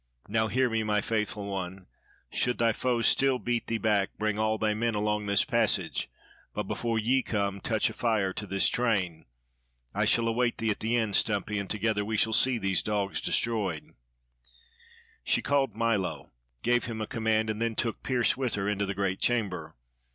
Now hear me, my faithful one, should thy foes still beat thee back, bring all thy men along this passage, but before ye come, touch a fire to this train. I shall await thee at the end, Stumpy, and together we shall see these dogs destroyed." She called Milo, gave him a command, and then took Pearse with her into the great chamber.